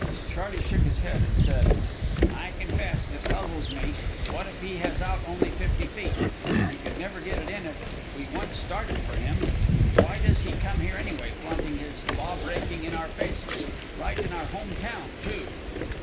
Charley shook his head and said: "I confess, it puzzles me. What if he has out only fifty feet? He could never get it in if we once started for him. And why does he come here anyway, flaunting his law breaking in our faces? Right in our home town, too."